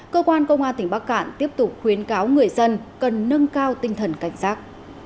cơ quan công an tỉnh bắc cạn tiếp tục khuyến cáo người dân cần nâng cao tinh thần cảnh giác